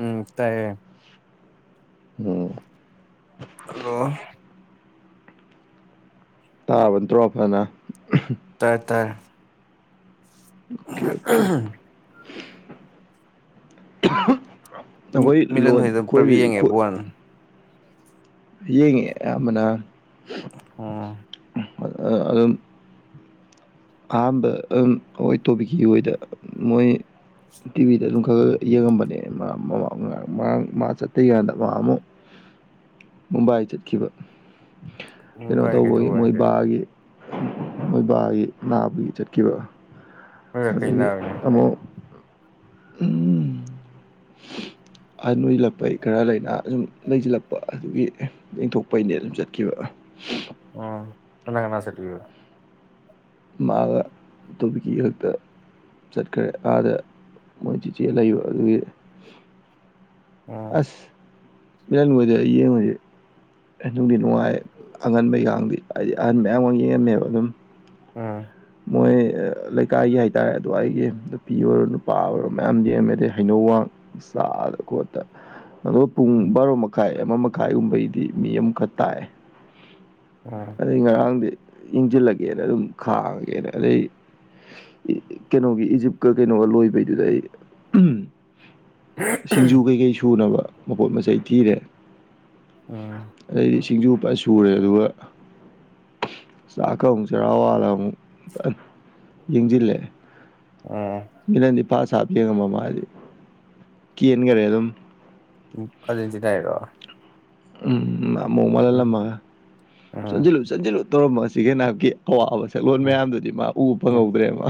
ꯎꯝ ꯇꯥꯏꯌꯦ ꯎꯝ ꯍꯜꯂꯣ ꯇꯥꯕ ꯅꯠꯇ꯭ꯔꯣ ꯐꯅ ꯇꯔ ꯇꯥꯏ ꯑꯣꯀꯦ ꯑꯣꯀꯦ ꯑꯩꯈꯣꯏ ꯂꯣꯟ ꯈꯣꯏꯕꯁꯤ ꯋꯥꯟ ꯌꯦꯉꯦ ꯑꯃꯅꯥ ꯑꯣ ꯑꯗꯨ ꯑꯗꯨꯝ ꯑꯍꯥꯟꯕ ꯑꯩꯣꯏ ꯇꯣꯕꯤꯛꯀꯤ ꯑꯣꯏꯅꯗ ꯃꯣꯏ ꯇꯤꯚꯤꯗ ꯑꯗꯨꯝ ꯈꯒ ꯌꯦꯡꯉꯝꯕꯅꯦ ꯃꯥ ꯃꯥ ꯃꯥ ꯃꯥꯡ ꯃꯥ ꯆꯠꯇꯤꯀꯥꯟꯗ ꯃꯥ ꯑꯃꯨꯛ ꯃꯨꯝꯕꯥꯥꯏ ꯆꯠꯈꯤꯕ ꯎꯝ ꯀꯩꯅꯣ ꯚꯥꯏ ꯇꯧꯕꯒꯤ ꯀꯩꯗꯧꯕ ꯃꯣꯏ ꯍꯥꯏꯁꯦ ꯕꯥꯒꯤ ꯃꯣꯏꯕꯥꯒꯤ ꯅꯥꯕꯒꯤ ꯆꯠꯈꯤꯕ ꯅꯣꯏꯒ ꯀꯩ ꯑꯗꯨꯗꯒꯤ ꯅꯥꯔꯤꯅꯣ ꯍꯥꯏꯁꯦ ꯑꯃꯨꯛ ꯎꯝ ꯑꯟ ꯑꯣꯏꯜꯂꯛꯄꯩ ꯈꯔ ꯂꯩꯅꯥ ꯁꯨꯝ ꯂꯩꯁꯤꯜꯂꯛꯄ ꯑꯗꯨꯒꯤ ꯌꯦꯡꯊꯣꯛꯄꯩꯅꯦ ꯑꯗꯨꯝ ꯆꯠꯈꯤꯕ ꯎꯝ ꯀꯅꯥ ꯀꯅꯥ ꯁꯦꯠꯦ ꯃꯥꯒ ꯑꯇꯣꯕꯤꯀꯤ ꯈꯛꯇ ꯆꯠꯈ꯭ꯔꯦ ꯑꯥꯗ ꯃꯣꯏ ꯆꯤꯆꯦ ꯂꯩꯕ ꯑꯗꯨꯒꯤ ꯎꯝ ꯑꯁ ꯃꯦ ꯍꯧ ꯅꯨꯡꯗꯤ ꯅꯨꯡꯉꯥꯏ ꯑꯉꯟꯕꯩꯒꯗꯤ ꯍꯥꯏꯗꯤ ꯑꯍꯟ ꯃꯌꯥꯝ ꯑꯃ ꯌꯦꯡꯉꯝꯃꯦꯕ ꯑꯗꯨꯝ ꯎꯝ ꯃꯣꯏ ꯂꯩꯀꯥꯏꯒꯤ ꯍꯥꯏꯇꯥꯔꯦ ꯑꯗ ꯑꯩꯒꯤ ꯅꯨꯄꯤ ꯑꯣꯏꯔꯣ ꯅꯨꯄꯥ ꯑꯣꯏꯔꯣ ꯃꯌꯥꯝ ꯌꯦꯦꯝꯃꯦ ꯑꯗꯩ ꯍꯩꯅꯧꯋꯥꯡ ꯁꯣꯠꯇ ꯄꯨꯡ ꯎꯝ ꯕꯥꯔꯣ ꯃꯈꯥꯏ ꯑꯃ ꯃꯈꯥꯏꯒꯨꯝꯕꯒꯤꯗꯤ ꯃꯤ ꯑꯃꯈꯛ ꯇꯥꯛꯑꯦ ꯎꯝ ꯑꯗꯩ ꯉꯔꯥꯡꯗꯤ ꯌꯦꯡꯁꯤꯜꯂꯒꯦꯅ ꯑꯗꯨꯝ ꯈꯥꯡꯉꯒ ꯀ ꯑꯗꯩ ꯀꯩꯅꯣꯒꯤ ꯏꯖꯤꯞꯀ ꯀꯩꯅꯣꯒ ꯂꯣꯏꯕꯩꯗꯨꯗ ꯑꯩ ꯁꯤꯡꯖꯨ ꯀꯩꯀꯩ ꯁꯨꯅꯕ ꯃꯄꯣꯠ ꯃꯆꯩ ꯊꯤꯔꯦ ꯎꯝ ꯑꯗꯩꯗꯤ ꯁꯤꯡꯖꯨꯕ ꯁꯨꯔꯦ ꯑꯗꯨꯒ ꯆꯥꯛꯀ ꯑꯃꯨꯛ ꯆꯔꯥꯋꯥꯗ ꯑꯃꯨꯛ ꯌꯦꯡꯁꯤꯜꯂꯛꯑꯦ ꯑꯣ ꯃꯤꯅꯅꯤꯄꯥ ꯁꯥꯞꯦꯉꯃ ꯃꯥꯗꯤ ꯀꯦꯟꯈꯔꯦ ꯑꯗꯨꯝ ꯎ ꯑꯗꯦꯟꯖꯤꯗ ꯍꯥꯏꯔꯣ ꯎꯝ ꯑꯃꯨꯛ ꯎꯝ ꯃꯥꯜꯍꯜꯂꯝꯃꯒ ꯎꯝ ꯆꯟꯁꯤꯜꯂꯨ ꯆꯟꯁꯤꯜꯂꯨ ꯇꯧꯔꯝꯃꯁꯤꯒꯦ ꯅꯅꯥꯕꯀꯤ ꯑꯋꯥꯕ ꯁꯛꯂꯣꯟ ꯎꯝ ꯃꯌꯥꯝꯗꯨꯗꯤ ꯃꯥ ꯎꯕ ꯎꯝ ꯐꯪꯍꯧꯗ꯭ꯔꯦ ꯃꯥ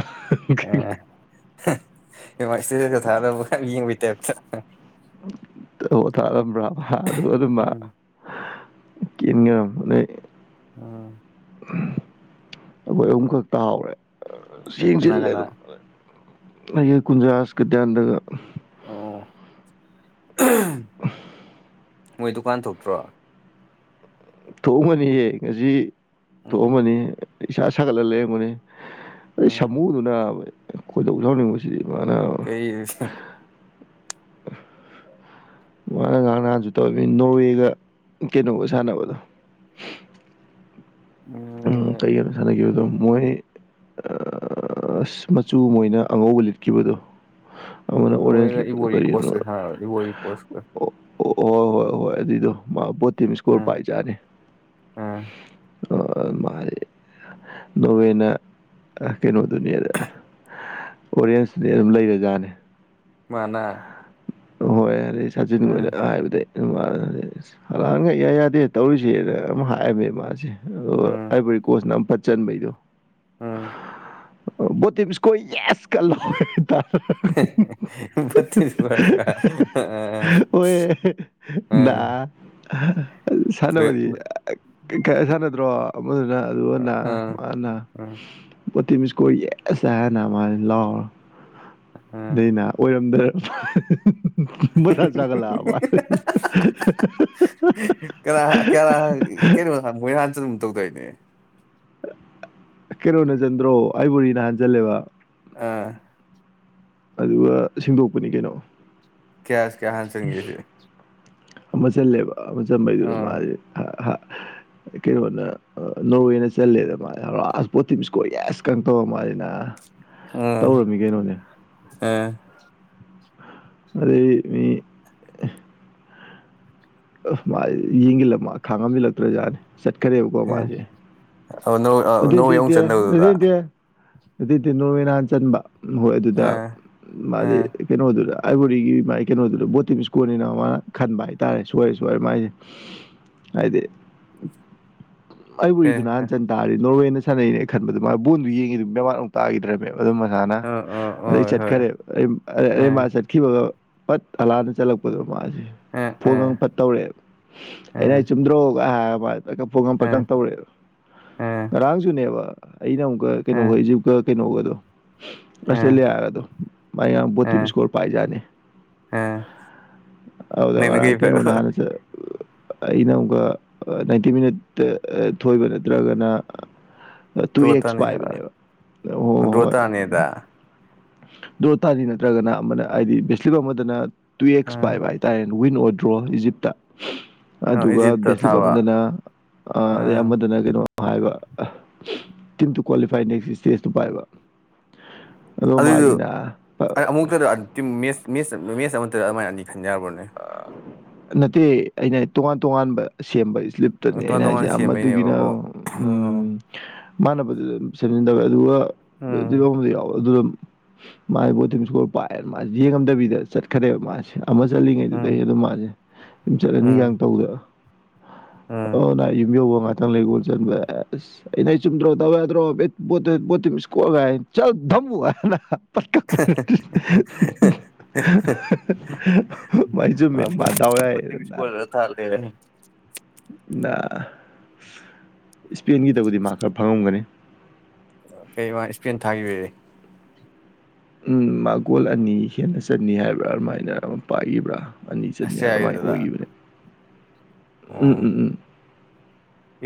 ꯏꯃꯥ ꯏꯁꯇꯦꯗ ꯊꯥꯅꯕ ꯌꯦꯡꯕꯩ ꯇꯥꯏꯞꯇ ꯊꯥꯔꯝꯕ꯭ꯔꯥꯕ ꯑꯗꯨ ꯑꯗꯨ ꯑꯗꯨ ꯃꯥ ꯎꯝ ꯏ ꯎꯝ ꯑꯩꯈꯣꯏ ꯑꯍꯨꯝ ꯈꯛꯛꯇ ꯍꯥꯎꯔꯦ ꯀꯅꯥ ꯌꯦꯡꯁꯤꯜꯂꯦ ꯀꯅꯥ ꯑꯗꯨꯝ ꯑꯩ ꯀꯨꯟꯖꯥꯥꯁ ꯀꯗꯤꯟꯗꯒ ꯎꯝ ꯃꯣꯏ ꯗꯨꯀꯥꯟ ꯊꯣꯛꯇ꯭ꯔꯣ ꯊꯣꯛꯑꯝꯃꯅꯤꯍꯦ ꯉꯁꯤ ꯎꯝ ꯊꯣꯛꯑꯝꯃꯅꯤ ꯏꯁꯥ ꯁꯥꯒꯠꯂꯒ ꯂꯩꯔꯝꯒꯅꯤ ꯑꯩ ꯎꯝ ꯁꯥꯃꯨꯗꯨꯅꯅꯥꯕ ꯑꯩꯣꯏꯗꯧ ꯌꯥꯥꯎꯅꯤꯡꯕꯁꯤꯗꯤ ꯃꯥꯅ ꯍ ꯉꯅ ꯉꯍꯥꯡ ꯉꯍꯥꯟꯁꯨ ꯇꯧꯔꯅꯤ ꯅꯣꯋꯦꯒ ꯀꯩꯅꯣꯒ ꯁꯥꯟꯅꯕꯗꯣ ꯎꯝ ꯀꯩꯒꯤꯅꯣ ꯁꯥꯟꯅꯈꯤꯕꯗꯣ ꯃꯣꯏ ꯑꯁ ꯃꯆꯨ ꯃꯣꯏꯅ ꯑꯉꯧꯕ ꯂꯤꯠꯈꯤꯕꯗꯣ ꯎꯝ ꯑꯃꯅ ꯑꯣꯔꯦꯟꯖ ꯅꯔꯒ ꯂꯤꯠꯄꯗꯣ ꯏꯕꯣꯔꯤ ꯀꯣꯁꯀ ꯁꯥꯟ ꯏꯕꯣꯔꯤ ꯀꯣꯁꯀ ꯑꯣ ꯍꯣꯏ ꯍꯣꯏ ꯍꯣꯏ ꯑꯗꯨꯏꯗꯣ ꯃꯥ ꯕꯣ ꯇꯤꯝ ꯏꯁꯀꯣꯔ ꯎꯝ ꯄꯥꯏꯖꯥꯔꯅꯤ ꯎꯝ ꯃꯥꯗꯤ ꯅꯣꯋꯦꯅ ꯀꯩꯅꯣꯗꯨꯅꯦꯗ ꯑꯣꯔꯦꯟꯁꯗꯤ ꯑꯗꯨꯝ ꯂꯩꯔꯦ ꯖꯥꯠꯅꯤ ꯃꯥꯅꯥ ꯍꯣꯏ ꯑꯗꯨꯗꯤ ꯁꯥꯆꯤꯟꯒꯣꯏꯅ ꯍꯥꯏꯕꯗꯤ ꯃ ꯍꯂꯥꯟꯈꯛ ꯌꯥ ꯌꯥꯗꯦ ꯇꯧꯔꯤꯁꯦꯅ ꯑꯃ ꯍꯥꯏꯑꯝꯃꯦ ꯏ ꯃꯥꯁꯦ ꯑ ꯎꯝ ꯑꯩꯕꯔꯤ ꯀꯣꯁꯅ ꯑꯃ ꯐꯠ ꯆꯟꯕꯩꯗꯣ ꯎꯝ ꯣꯠꯇ ꯄꯤꯁ ꯀꯣ ꯌꯥꯁꯀꯂꯣ ꯇ ꯤꯁ ꯋꯥꯔ ꯑ ꯑ ꯑ [unintelligible] ꯁꯥꯟꯅꯕꯗꯤ ꯀꯌꯥ ꯁꯥꯟꯅꯗ꯭ꯔꯣ ꯑꯃꯗꯨꯅ ꯑꯗꯨꯅ ꯎꯝ ꯃꯥꯅ ꯄꯣ ꯃꯤꯁꯀꯣ ꯑꯦꯁꯥ ꯍꯥꯏ ꯅ ꯂꯑꯣ ꯅ ꯎꯝ ꯅ ꯑꯣꯏꯔꯝꯗꯦ ꯊꯥ ꯆꯒꯂ ꯑꯃꯔ ꯀ ꯀ ꯀꯩꯅꯣ ꯍ ꯃꯣꯏ ꯍꯥꯟꯁꯨ ꯑꯗꯨꯝ ꯇꯧꯗꯣꯏꯅꯦ ꯀꯩꯅꯣ ꯅ ꯆꯟꯗ꯭ꯔꯣ ꯑꯩꯕꯨꯔꯤ ꯅ ꯍꯥꯟꯖꯜꯂꯦꯕ ꯑꯥ ꯑꯗꯨꯒ ꯁꯦꯡꯗꯣꯛꯄꯅꯤ ꯀꯩꯅꯣ ꯀꯌꯥꯁ ꯀꯌꯥ ꯍꯥꯟ ꯆꯪꯉꯁꯦ ꯃ ꯆꯂꯦꯕ ꯑꯃ ꯆ ꯃꯩꯗꯨꯔꯣ ꯃꯥ ꯑꯥ ꯀꯩꯅꯣꯅ ꯅꯣꯔꯋꯦꯅ ꯆꯜꯂꯦꯗ ꯃꯥ ꯔꯥꯁ ꯄꯣꯇꯤꯝ ꯏꯁꯀꯣꯔ ꯑꯦꯁ ꯀꯪ ꯇꯧ ꯃꯥꯁꯤꯅ ꯎꯝ ꯇꯧꯔꯝꯃꯤ ꯀꯩꯅꯣꯅꯦ ꯑꯝ ꯑꯗ ꯃꯤ ꯑ ꯃꯥ ꯌꯦꯡꯒꯤꯜꯂꯝ ꯃꯥ ꯈꯥꯡꯉꯝꯕꯤꯜꯂꯛꯇ꯭ꯔꯖꯠꯅꯦ ꯆꯠꯈꯔꯦꯕꯀꯣ ꯃꯥꯁꯦ ꯅ ꯑꯗꯨꯗꯤꯦ ꯑꯗꯨꯗꯦ ꯑꯗꯨ ꯅꯣꯔꯃ ꯍꯥꯟ ꯆꯟꯕ ꯍꯣꯏ ꯑꯗꯨꯗ ꯑꯥ ꯃꯥꯗꯤ ꯑꯥ ꯀꯩꯅꯣꯗꯨꯔ ꯑꯩꯕꯔꯤꯒꯤ ꯃꯥ ꯀꯩꯅꯣꯗꯨꯔ ꯕꯣꯇꯤꯁ ꯀꯣꯟꯅꯤꯅ ꯃꯥꯅ ꯈꯟꯕ ꯍꯥꯏ ꯇꯥꯔꯦ ꯁꯣꯏꯔꯦ ꯁꯣꯏꯔꯦ ꯃꯥꯏꯁꯦ ꯍꯥꯏꯗꯤ ꯑꯩ ꯑ ꯎꯔꯤꯗꯨ ꯅꯍꯥꯟ ꯆꯟ ꯇꯥꯔꯦ ꯅꯣꯔꯋꯦꯅ ꯁꯥꯟꯅꯩꯅꯦ ꯑꯩ ꯈꯟꯕꯗꯨ ꯃꯥꯒꯤ ꯕꯣꯟꯗꯨ ꯌꯦꯡꯤ ꯑꯗꯨ ꯃꯃꯨꯛ ꯇꯥꯈꯤꯗ꯭ꯔꯃꯦꯕ ꯑꯗꯨꯝ ꯃꯁꯥꯅ ꯑ ꯑꯣ ꯑꯗꯩ ꯍꯣꯏ ꯆꯠꯈꯔꯦ ꯑ ꯑꯩ ꯃꯥ ꯆꯠꯈꯤꯕꯒ ꯄꯠ ꯍꯂꯥꯟꯅ ꯆꯠꯂꯛꯄ ꯃꯥꯁꯦ ꯑ ꯑ ꯐꯣꯟꯒ ꯐꯠꯇꯧꯔꯛꯦꯕ ꯑꯩꯅ ꯑꯩ ꯆꯨꯝꯗ꯭ꯔꯣꯒ ꯍꯥꯏꯔꯒ ꯃꯥ ꯀꯀ ꯐꯣꯡꯒꯝ ꯑ ꯄꯛꯀ ꯇꯧꯛꯦꯕ ꯑ ꯉꯔꯥꯡꯁꯨꯅꯦꯕ ꯑꯩꯅ ꯑꯃꯨꯛꯀ ꯎꯝ ꯀꯩꯅꯣꯒ ꯏꯖꯤꯞꯀ ꯀꯩꯅꯣꯒꯗꯣ ꯎꯝ ꯑꯁꯂ ꯍꯥꯏꯒꯗꯣ ꯃ ꯕꯣꯇꯤꯝ ꯎꯝ ꯏꯁꯀꯣꯔ ꯄꯥꯏꯖꯥꯅꯤ ꯎꯝ ꯑꯗꯨꯗ ꯅꯪꯅ ꯀꯩ ꯉꯔꯥꯡ ꯀꯩꯅꯣ ꯅ ꯍꯥꯟꯅ ꯑꯩꯅ ꯑꯃꯨꯛꯀ ꯅꯥꯏꯟꯇꯤ ꯃꯤꯅꯤꯠꯇ ꯊꯣꯏꯕ ꯅ ꯅꯠꯇ꯭ꯔꯒꯅ ꯇꯨ ꯗ꯭ꯔꯣ ꯑꯦꯛꯁ ꯇꯥꯅꯤ ꯍꯥꯏꯕ ꯄꯥꯏꯕꯅꯦꯕ ꯍ ꯍ ꯗ꯭ꯔꯣ ꯍꯣꯏ ꯎꯝ ꯇꯥꯅꯤꯗ ꯗ ꯇꯥꯅꯤ ꯅꯠꯇ꯭ꯔꯒꯅ ꯑꯃꯅ ꯍꯥꯏꯗꯤ ꯕꯦꯁꯂꯤꯞ ꯑꯃꯗꯅ ꯇꯨ ꯑꯦꯛꯁ ꯎꯝ ꯄꯥꯏꯕ ꯍꯥꯏ ꯇꯥꯏ ꯋꯤꯟ ꯑꯣꯏꯗ꯭ꯔꯣ ꯏꯖꯤꯞꯇ ꯑ ꯑꯗꯨꯒ ꯏꯖꯤꯞꯇ ꯕꯦꯁꯂꯤꯞ ꯊꯥꯕ ꯑꯃꯗꯅ ꯑꯗꯩ ꯎꯝ ꯑꯃꯗꯅ ꯀꯩꯅꯣ ꯍꯥꯏꯕ ꯇꯤꯝꯇ ꯀ꯭ꯋꯥꯂꯤꯐꯥꯏ ꯅꯦꯛꯁ ꯏꯁꯇꯦꯖꯇꯨ ꯄꯥꯏꯕ ꯑꯗꯣ ꯑꯗꯨꯏꯗꯨ ꯃꯥꯁꯤꯅ ꯑ ꯑꯃꯨꯛꯇꯗꯦ ꯃꯦꯠꯆ ꯑꯃꯠꯇꯗ ꯑꯗꯨꯃꯥꯏꯅꯗꯤ ꯈꯟꯖꯔꯕ꯭ꯔꯣꯅꯦ ꯅꯠꯇꯦ ꯑꯩꯅ ꯇꯣꯉꯥꯟ ꯇꯣꯉꯥꯟꯕ ꯁꯦꯝꯕ ꯁ꯭ꯂꯤꯞꯇꯅꯤ ꯇꯣꯉꯥꯟ ꯑꯩꯅ ꯍꯥꯏꯁꯦ ꯇꯣꯉꯥꯟ ꯁꯦꯝꯕꯩꯅꯦꯕ ꯑꯃꯗꯨꯒꯤꯅ ꯑꯣ ꯎ ꯑꯣ ꯃꯥꯅꯕꯗꯤ ꯑꯗꯨꯝ ꯁꯦꯝꯖꯤꯟꯗꯋꯦ ꯎꯝ ꯑꯗꯨꯒꯤ ꯌꯥꯎꯋꯦ ꯑꯗꯨ ꯃꯥꯁ ꯕꯣꯗꯤꯤꯡ ꯏꯁꯀꯣꯔꯜ ꯄꯥꯏꯑꯦ ꯃꯥꯁꯦ ꯌꯦꯡꯉꯝꯗꯕꯤꯗ ꯆꯠꯈꯔꯦꯕ ꯃꯥꯁꯦ ꯆꯠꯂꯤꯉꯩꯗꯨꯗꯤ ꯑꯩ ꯎꯝ ꯑꯗꯨꯝ ꯃꯥꯁꯦ ꯑꯗꯨꯝ ꯆꯠꯂꯅꯤꯒ ꯎꯝ ꯇꯧꯗ ꯎꯝ ꯑꯣ ꯅ ꯌꯨꯝꯕꯤ ꯋꯥꯉꯥꯏ ꯆꯪ ꯂꯩꯁ ꯁ ꯑꯩꯅ ꯆꯨꯝꯗ꯭ꯔꯣꯕꯗ꯭ꯔꯣꯣ ꯄꯣ ꯃꯤꯁꯀꯣꯜ ꯆ ꯊꯝ ꯄꯀꯥ ꯄ ꯃꯥꯏꯁꯨ ꯃ ꯃꯥ ꯇꯋ ꯊꯥ ꯂꯩꯔꯦ ꯏꯁꯄꯦꯟꯒꯤꯗꯕꯨꯗꯤ ꯃꯥ ꯈꯔ ꯐꯪꯉꯝꯒꯅꯤ ꯀꯩ ꯋꯥ ꯏꯁꯄꯦꯟ ꯊꯥꯈꯤꯕꯦ ꯎꯝ ꯃꯥꯒꯣꯜ ꯑꯅꯤ ꯍꯦꯟꯅ ꯆꯟꯅꯤ ꯍꯥꯏꯕ꯭ꯔꯥ ꯑꯗꯨꯃꯥꯏꯅ ꯑꯃ ꯄꯥꯏꯕ꯭ꯔꯥ ꯑꯅꯤ ꯆꯠꯅꯤ ꯑꯗꯨꯃꯥꯏꯅ ꯑꯁꯇ꯭ꯔꯤꯌꯥꯒꯤꯗꯨꯗ ꯑꯣꯏꯈꯤꯕꯅꯦ ꯑꯣ ꯎꯝ ꯎꯝ ꯎꯝ ꯎꯝ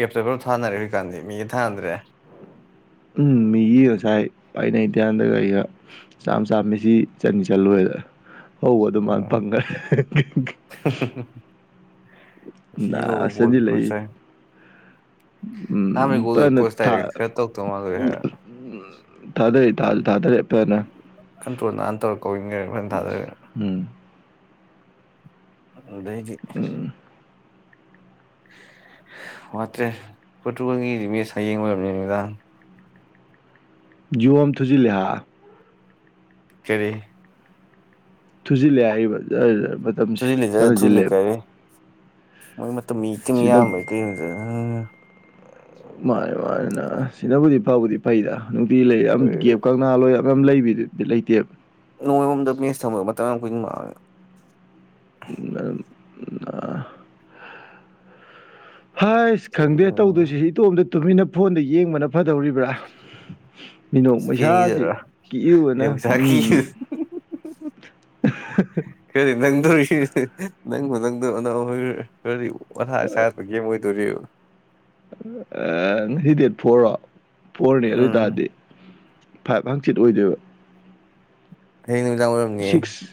ꯑꯦꯞꯇ ꯄꯨꯂꯞ ꯊꯥꯅꯔꯦ ꯍꯧꯖꯤꯛꯀꯥꯟꯗꯤ ꯃꯤꯒ ꯊꯥꯅꯗ꯭ꯔꯦ ꯎꯝ ꯃꯤꯒꯤ ꯉꯁꯥꯏ ꯑꯩꯅ ꯏꯇꯤꯌꯥꯟꯗꯒ ꯑꯩꯒ ꯆꯥꯝ ꯆꯥꯝꯃꯤꯁꯤ ꯆꯅꯤ ꯆꯠꯂꯨꯔꯦꯗ ꯍꯧꯕ ꯑꯗꯨꯃꯅ ꯑꯣ ꯐꯪꯈ꯭ꯔꯦ ꯁꯤ ꯍꯧꯕ ꯑꯁꯖꯤ ꯕꯣꯜꯗꯨ ꯂꯩ ꯀ꯭ꯔꯣꯁ ꯆꯥꯏ ꯎꯝ ꯑꯍꯥꯟꯕꯩ ꯊꯥ ꯒꯣꯜꯗꯨꯗꯤ ꯄꯣꯁ ꯗꯥꯏꯔꯦꯛ ꯈꯔ ꯇꯧꯗꯧ ꯃꯥꯜꯂꯨꯔꯦ ꯎꯝ ꯍꯥꯏꯔ ꯇꯥꯗꯔꯤ ꯇꯥ ꯊꯥꯗꯔꯄꯅ ꯀꯟꯇ꯭ꯔꯣꯜ ꯅꯥꯥꯟ ꯇꯧꯔꯛ ꯀꯧꯋ ꯊꯥꯖꯔꯦ ꯎ ꯗꯦꯒꯤ ꯎꯝ ꯋꯥꯠꯇ꯭ꯔꯦ ꯐꯣꯇꯨꯒꯣꯜꯒꯤ ꯍꯌꯦꯡ ꯑꯣꯏꯔꯕꯅꯤ ꯅꯨꯃꯤꯗꯥꯡ ꯖꯤꯑꯣ ꯑꯃ ꯊꯨꯖꯤꯜꯂꯦꯦ ꯀꯔꯤ ꯊꯨꯖꯤꯜꯂꯦ ꯍꯥꯏꯔꯤꯕ ꯃꯇꯝꯁꯦ ꯇꯨꯖꯤꯜꯂꯤꯗ ꯇꯨꯜꯂꯤ ꯁꯥꯟꯅꯁꯤꯜꯂꯦ ꯀꯥꯏꯔꯦ ꯃꯣꯏ ꯃꯇꯝ ꯃꯤꯤꯝ ꯁꯤꯅ ꯌꯥꯝꯕꯩ ꯀꯩꯅꯒꯤꯅꯣꯗ ꯃꯥꯅꯦ ꯃꯥꯅ ꯁꯤꯅꯕꯨꯗꯤ ꯐꯕꯨꯗꯤ ꯐꯩꯗ ꯅꯨꯡꯇꯤ ꯂꯩ ꯌꯥꯝ ꯒꯦꯞ ꯀꯅꯥ ꯂꯣꯏ ꯂꯩꯗꯨꯗꯤ ꯂꯩꯇꯦꯕ ꯅꯣꯡꯃꯔꯣꯝꯗ ꯃꯦꯁ ꯊꯃꯒ ꯃꯇꯝ ꯌꯥꯝ ꯀꯨꯏꯟꯃꯛꯂꯦ ꯎ ꯍꯥꯏ ꯑꯁ ꯈꯪꯗꯦ ꯇꯧꯗꯣꯏꯁꯤ ꯁꯤ ꯏꯇꯣꯝꯇ ꯇꯨꯃꯤꯟꯅ ꯐꯣꯟꯗ ꯌꯦꯡꯕꯅ ꯐꯗꯧꯔꯤꯕ꯭ꯔꯥ ꯃꯤꯅꯣꯛ ꯄꯩꯁꯥꯥꯁ ꯏꯁꯄꯦꯟꯒꯤꯗꯔꯥ ꯀꯤꯛꯌꯨꯅ ꯌꯣꯡꯆꯥꯛꯀꯤ ꯎꯝ [inaudible] ꯈꯔꯗꯤ ꯅꯪꯗꯣꯔꯤ ꯅꯪꯕꯨ ꯅꯪꯗꯧ ꯑꯅ ꯈꯔꯗꯤ ꯋꯥꯊꯥ ꯁꯥꯠꯄꯒꯦꯝ ꯑꯣꯏꯗ ꯑꯗꯨꯔꯤ ꯉꯁꯤ ꯗꯦꯠ ꯐꯣꯔꯣ ꯐꯣꯔꯅꯤ ꯑꯗꯨ ꯑꯣꯏ ꯎꯝ ꯇꯔꯗꯤ ꯐꯥꯏꯚ ꯍꯥꯡꯆꯤꯠ ꯑꯣꯏꯗꯣꯏꯕ ꯍꯅꯤ ꯁꯤꯛꯁ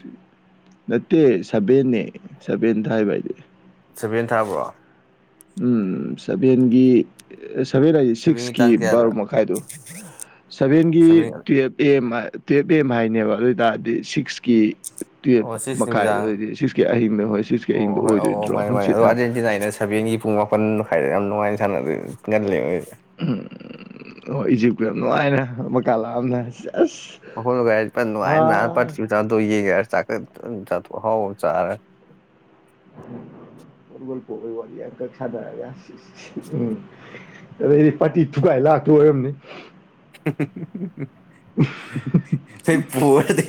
ꯅꯠꯇꯦ ꯁꯚꯦꯟ ꯁꯚꯦꯟ ꯊꯥꯏꯕ ꯍꯥꯏꯗꯤ ꯁꯚꯦꯟ ꯊꯥꯕ꯭ꯔꯣ ꯎꯝ ꯁꯚꯦꯟꯒꯤ ꯁꯚꯦꯟ ꯍꯥꯏꯁ ꯁꯚꯦꯟꯒꯤ ꯇꯥꯡ ꯁꯤꯛꯁꯀꯤ ꯀꯌꯥꯗ ꯕꯥꯔꯣ ꯃꯈꯥꯏꯗꯨꯣ ꯁꯚꯦꯟꯒꯤ ꯁꯚꯦꯟ ꯇꯨꯌꯦ ꯑꯦ ꯑꯦꯝ ꯇꯨꯌꯦꯞ ꯑꯦ ꯑꯦꯝ ꯍꯥꯏꯅꯦꯕ ꯑꯗꯨ ꯑꯣꯏ ꯇꯔꯗꯤ ꯁꯤꯛꯁꯀꯤ ꯇꯨꯌꯦꯜꯞ ꯑꯣ ꯁꯤꯛꯁ ꯅꯨꯃꯤꯗꯥꯡ ꯃꯈꯥꯏꯗꯨꯗꯤ ꯁꯤꯛꯁꯀꯤ ꯑꯍꯤꯡꯗ ꯍꯣꯏ ꯁꯤꯛꯁꯀꯤ ꯑꯍꯤꯡꯗꯣ ꯑꯣ ꯍꯣꯏ ꯑꯧ ꯑꯧ ꯑꯣꯏꯗꯣꯏꯗ꯭ꯔꯣ ꯃꯥꯅꯤ ꯃꯥꯅꯤ ꯑꯗꯣ ꯍꯪꯆꯤꯠꯇ ꯑꯥꯔꯖꯦꯟꯇꯤꯅꯥꯒꯤꯅ ꯁꯚꯦꯟꯒꯤ ꯄꯨꯡ ꯃꯥꯄꯟ ꯃꯈꯥꯏꯗ ꯌꯥꯝ ꯅꯨꯡꯉꯥꯏꯅ ꯁꯥꯟꯅꯗ ꯉꯜꯂꯦ ꯎꯝ ꯑꯣ ꯏꯖꯤꯞꯀ ꯌꯥꯝ ꯅꯨꯡꯉꯥꯏꯅ ꯃꯀꯥ ꯂꯥꯝꯅ ꯖꯁ [unintelligible] [unintelligible] ꯑꯗꯩꯗꯤ ꯄꯥꯇꯤ ꯊꯨꯒꯥꯏ ꯂꯥꯛꯇꯣꯏ ꯑꯣꯏꯔꯝꯅꯤ ꯑꯩ ꯄꯣꯔꯗꯤ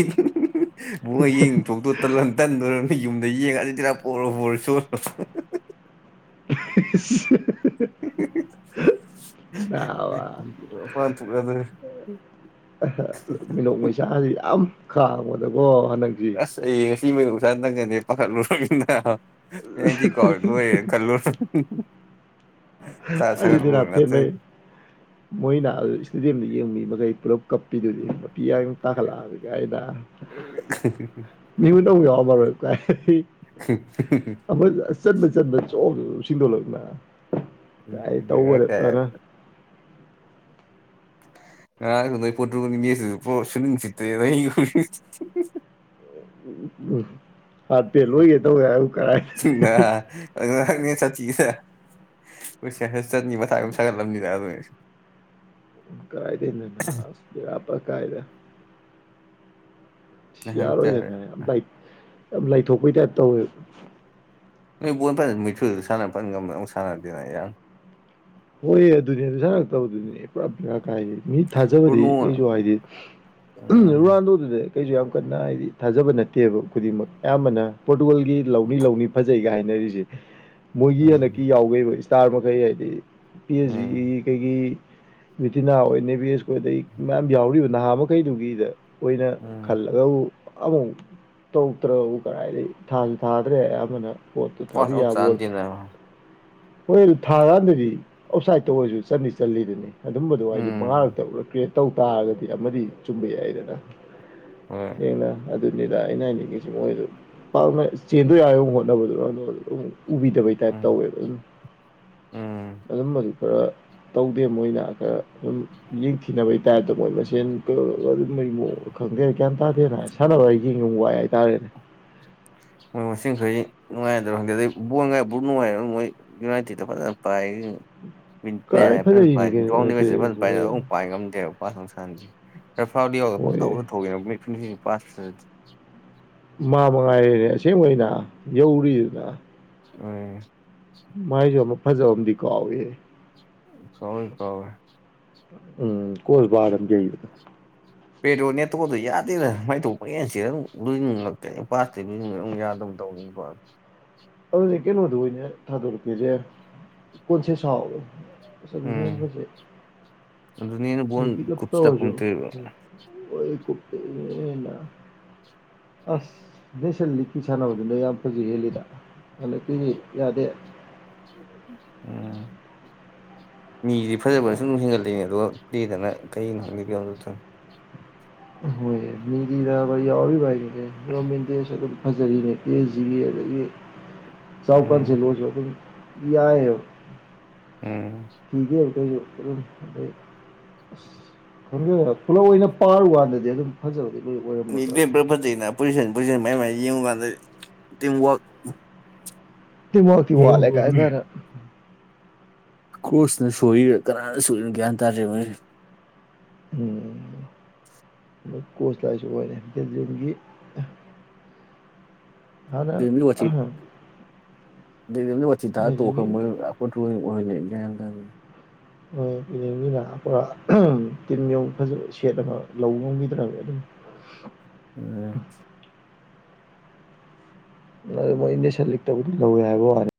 ꯃꯣꯏ ꯌꯦꯡ ꯊꯣꯛꯇꯣ ꯇꯜꯂ ꯇꯟꯗꯣꯏꯔ ꯌꯨꯝꯗ ꯌꯦꯡꯉꯛ ꯑꯗꯨꯁꯤꯔꯥ ꯄꯣꯔꯣ ꯄꯣꯔꯣ ꯁꯣ [unintelligible] ꯅꯥꯕ [unintelligible] ꯃꯤꯅꯣꯛ ꯃꯩꯁꯁꯤ ꯌꯥꯝ ꯈꯥꯡꯕꯗꯀꯣ ꯍꯟꯗꯥꯛꯁꯤ [unintelligible] [unintelligible] ꯑꯥꯔꯖꯦꯟꯇꯤꯅꯥ [unintelligible] [unintelligible] ꯃꯣꯏꯅ ꯑꯗꯨ ꯏꯁꯇꯦꯗꯤꯌꯝꯗ ꯌꯦꯡꯃꯤ ꯃꯈꯩ ꯄꯨꯂꯞ ꯀꯞꯄꯤꯗꯨꯗꯤ ꯅꯨꯄꯤ ꯌꯥ ꯇꯥꯈꯠꯂꯛꯑꯒ ꯑꯩꯅ ꯕꯦꯔꯥ ꯀꯥꯏ [unintelligible] [unintelligible] [unintelligible] [unintelligible] ꯑꯗꯨ ꯉꯍꯥꯛꯅꯦ ꯆꯠꯁꯤꯁꯦ ꯑꯩꯁ ꯆꯠꯅꯤ ꯃꯊꯥ ꯑꯗꯨ ꯁꯥꯒꯠꯂꯝꯕꯅꯤꯗ ꯑꯗꯨꯅꯦ [unintelligible] ꯁꯤ ꯅꯍꯥꯟ ꯇꯥꯔꯦ ꯌꯥꯔꯣꯏꯗꯅꯦ ꯌꯥꯝ ꯂꯥꯏꯊꯣꯛꯄꯩ ꯇꯥꯏꯄ ꯇꯧꯋꯦꯕ [unintelligible] ꯍꯣꯏ ꯑꯗꯨꯅꯦ ꯑꯗꯨ ꯁꯅꯔꯛꯇꯕꯗꯨꯅꯦ ꯄꯨꯔꯥ ꯄꯔꯥ ꯀꯥꯏ ꯃꯤ ꯊꯥꯖꯕꯗꯤ ꯕ꯭ꯔꯨꯅꯣꯅ ꯀꯩꯁꯨ ꯍꯥꯏꯗꯤ ꯎꯝ ꯔꯣꯅꯥꯜꯗꯣꯗꯨꯗ ꯀꯩꯁꯨ ꯌꯥꯝ ꯀꯟꯅ ꯍꯥꯏꯗꯤ ꯊꯥꯖꯕ ꯅꯠꯇꯦꯕ ꯈꯨꯗꯤꯡꯃꯛ ꯑꯌꯥꯝꯕꯅ ꯄꯣꯔꯇꯨꯒꯜꯒꯤ ꯂꯧꯅꯤ ꯂꯧꯅꯤ ꯐꯖꯩꯒ ꯍꯥꯏꯅꯔꯤꯁꯦ [unintelligible] ꯃꯣꯏꯒꯤ ꯎꯝ ꯍꯟꯗꯛꯀꯤ ꯌꯥꯎꯒꯕ ꯏꯁꯇꯥꯔ ꯃꯈꯩ ꯍꯥꯏꯗꯤ ꯄꯤ ꯑꯦꯆ ꯖꯤ ꯎꯝ ꯀꯩꯒꯤ ꯃꯤꯇꯤꯅꯥ ꯅꯦꯕꯤ ꯑꯦꯁ ꯀꯣꯏꯗꯩ ꯃꯌꯥꯝ ꯌꯥꯎꯔꯤꯕ ꯅꯍꯥ ꯃꯈꯩꯗꯨꯒꯤꯗ ꯑꯣꯏꯅ ꯎꯝ ꯈꯜꯂꯒꯕꯨ ꯑꯃꯨ ꯇꯧꯗ꯭ꯔꯕꯨ ꯀꯗꯥꯥꯏꯗꯒꯤ ꯊꯥꯁꯨ ꯊꯥꯗ꯭ꯔꯦ ꯑꯃꯅ ꯍꯣꯠꯇ ꯄꯥꯁ ꯊꯥꯕꯤ ꯑꯝ ꯌꯥꯕꯣ ꯆꯥꯟꯗꯦꯅ ꯍꯣꯏ ꯑꯗꯨ ꯊꯥꯀꯥꯟꯗꯗꯤ ꯑꯥꯎꯠꯁꯥꯏꯗꯠꯇ ꯑꯣꯏꯔꯁꯨ ꯆꯠꯂꯤ ꯆꯠꯂꯤꯗꯨꯅꯤ ꯑꯗꯨꯝꯕꯗꯣ ꯍꯥꯏꯗꯤ ꯎꯝ ꯃꯉꯥꯔꯛꯇ ꯀ꯭ꯔꯤꯌꯦꯠ ꯇꯧ ꯇꯥꯔꯒꯗꯤ ꯑꯃꯗꯤ ꯆꯨꯝꯕ ꯌꯥꯏꯗꯅ ꯍꯣꯏ ꯁꯦꯡꯅ ꯑꯗꯨꯅꯤꯗ ꯑꯩꯅ ꯍꯥꯏꯅꯤꯡꯉꯁꯤ ꯃꯣꯏꯗ ꯄꯥꯛꯅ ꯆꯦꯟꯗ ꯌꯥꯔ ꯍꯣꯠꯅꯕꯗꯨ ꯑꯗꯨꯝ ꯎꯕꯤꯗꯕꯩ ꯇꯥꯏꯞ ꯎꯝ ꯇꯧꯋꯦꯕ ꯑꯗꯨꯝ ꯎꯝ ꯑꯗꯨꯝꯕꯗꯨ ꯈꯔ ꯇꯧꯗꯦ ꯃꯣꯏꯅ ꯈꯔ ꯑꯗꯨꯝ ꯌꯦꯡꯊꯤꯅꯕꯒꯤ ꯇꯥꯏꯞꯇ ꯃꯣꯏ ꯃꯁꯦꯟ ꯈꯪꯗꯦ ꯀ꯭ꯌꯥꯟ ꯇꯥꯗꯦꯅ ꯍꯥꯏꯁꯦ ꯁꯥꯟꯅꯕ ꯑꯩ ꯌꯦꯡ ꯋꯥꯏ ꯍꯥꯏꯇꯥꯔꯦꯅꯦ ꯃꯣꯏ ꯃꯁꯤꯡ ꯈꯔꯗꯤ ꯅꯨꯡꯉꯥꯏꯅꯗ꯭ꯔꯥ ꯈꯪꯗꯦꯗ ꯕꯣꯔꯥꯏ ꯕꯨ ꯅꯨꯡꯉꯥꯏ ꯃꯣꯏ ꯀꯥꯏ ꯐꯖꯩꯅꯤ ꯀꯩꯅꯣ ꯅꯠꯇꯦ ꯃꯣꯏ ꯃꯣꯏ [unintelligible] [unintelligible] [unintelligible] ꯃꯥ ꯃꯉꯥꯏꯔꯦ ꯑꯁꯦꯡꯕ ꯑꯣꯏꯅ ꯌꯧꯔꯤꯗꯅ [unintelligible] ꯃꯥꯥꯏꯁꯨ ꯑꯃ ꯐꯥꯖꯕ ꯑꯃꯗꯤ ꯀꯥꯎꯋꯤ ꯍꯦ ꯀꯋꯦ ꯀꯋꯦ ꯎꯝ ꯀꯁ ꯕꯥꯔꯨ [unintelligible] ꯄꯦꯗꯣ ꯅꯦꯇ꯭ꯔꯣꯗꯣ ꯌꯥꯗꯦꯗ ꯃꯥꯏꯊꯣꯛ ꯄ ꯌꯦꯟꯁꯤ ꯂꯣꯏꯛꯇꯦ ꯄ ꯌꯥ ꯇꯧ [unintelligible] ꯑꯗꯨꯗꯤ ꯀꯩꯅꯣꯗ ꯑꯣꯏꯅ ꯊꯥꯗꯣꯔꯛꯀꯦꯗꯦ ꯀꯣꯟꯁꯦ ꯁꯥꯎꯋꯦ ꯑꯗꯨꯅ ꯎꯝ ꯍꯦꯟꯅ ꯐꯖꯩ ꯑꯗꯨꯅ ꯍꯦꯟꯅ ꯕꯣꯜ ꯃꯤ ꯄꯤꯛꯂꯞ ꯀꯨꯞꯁꯤꯜꯂ ꯇꯧꯔꯁꯨ ꯀꯨꯝꯊꯩꯕ ꯑꯣꯏ ꯀꯅ ꯑꯁ [unintelligible] ꯅꯦꯁꯅꯦ ꯂꯤꯇꯤ ꯁꯥꯟꯅꯕꯗꯨꯅ ꯌꯥꯝ ꯐꯖꯩ ꯍꯦꯜꯂꯤꯗ ꯍꯟꯗꯛꯀꯤꯗꯤ ꯌꯥꯗꯦ ꯎꯝ ꯃꯤꯗꯤ ꯐꯖꯕꯅꯁꯨ ꯑꯗꯨꯝ ꯍꯦꯟꯒꯠꯂꯛꯏꯅꯦ ꯑꯗꯨꯒ ꯂꯤꯗꯅ ꯀꯩꯅꯣ ꯈꯪꯗꯦ ꯀꯩꯅꯣꯝ ꯏꯇꯧ ꯇꯧꯏ ꯍꯣꯏ ꯃꯤꯅꯤꯗꯤꯗ ꯋꯥꯔꯤꯔ ꯄꯥꯏꯦ ꯃꯁ ꯐꯖꯔꯤꯅꯦ ꯀꯦ ꯖꯤ ꯑꯗꯒꯤ ꯎꯝ ꯆꯥꯎꯄꯥꯟꯁꯦꯂꯣꯏꯁꯨ ꯑꯗꯨꯝ ꯌꯥꯏꯑꯕ ꯎꯝ ꯄꯒ ꯑꯗꯨꯗ ꯌꯝ ꯑꯗ [unintelligible] ꯑ ꯈꯪꯖꯩ ꯄꯨꯂꯞ ꯑꯣꯏꯅ ꯄꯥꯔꯨ ꯋꯥꯟꯗꯗꯤ ꯑꯗꯨꯝ ꯐꯖꯕꯗꯤ ꯂꯣꯏ ꯑꯣꯏꯔꯝꯃꯒ꯭ꯔꯥ ꯭ꯔꯚꯖꯤꯅ [unintelligible] ꯄꯣꯖꯤꯁꯟ ꯄꯣꯖꯤꯁꯟ ꯃꯌꯥꯝ ꯃꯌꯥꯝ ꯌꯦꯡꯉꯨ ꯀꯥꯟꯗ ꯇꯤꯝꯋꯛ ꯇꯤꯝ ꯋꯥꯛꯇꯤ ꯋꯥꯠꯂꯦ ꯀꯥꯏ ꯐꯖꯅ ꯀ꯭ꯔꯣꯁꯅ ꯁꯣꯏꯔꯤꯔꯥ ꯀꯅꯥꯅ ꯁꯣꯏꯔꯤꯅꯣ ꯒ꯭ꯌꯥꯟ ꯇꯥꯔꯦ ꯃꯣꯏꯁꯦ ꯎꯝ ꯃꯣꯏ ꯀꯣꯁ ꯑꯥꯏꯁꯨ ꯑꯣꯏꯔꯦ ꯕꯦꯜꯖꯤꯌꯝꯒꯤ ꯍꯥꯟꯅ ꯋꯊꯤ ꯕꯦꯜꯖ꯭ꯌꯝꯅ ꯋꯔꯤ ꯇꯥꯔꯥ ꯕꯦꯜꯖꯤꯌꯝꯒꯤ ꯇꯣꯛꯒ꯭ꯔꯥꯝ ꯃꯣꯏꯗꯣꯅ ꯄꯊ ꯑꯣꯏꯂ ꯭ꯌꯥꯟꯗꯅꯤ [unintelligible] ꯃꯣꯏ ꯏꯅꯦ ꯃꯤꯅ ꯄꯨꯔꯥ ꯇꯤꯝ ꯌꯧ ꯐꯖꯕ ꯁꯦꯠ ꯑꯃ ꯂꯧꯕ ꯉꯝꯕꯤꯗ꯭ꯔꯃꯦ ꯑꯗꯨꯝ ꯎꯝ ꯃꯣꯏ ꯏꯟꯗꯤꯁ ꯂꯤꯛ ꯇꯧꯕꯗꯨ ꯂꯧ ꯌꯥ ꯍꯥꯏꯕꯣꯅꯤ